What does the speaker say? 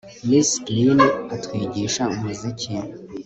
Miss Green atwigisha umuziki